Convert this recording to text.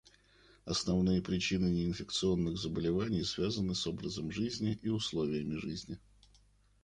Основные причины неинфекционных заболеваний связаны с образом жизни и условиями жизни.